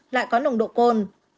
lại có nồng độ cồn